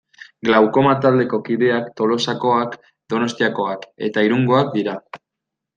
Glaukoma taldeko kideak Tolosakoak, Donostiakoak eta Irungoak dira.